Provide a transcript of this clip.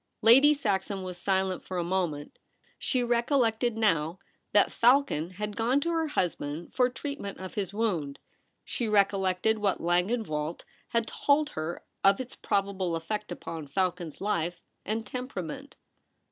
Lady Saxon was silent for a moment. She recollected now that Falcon had gone to her husband for treatment of his wound. She recollected what Langenwelt had told her of its probable effect upon Falcon's life and temperament.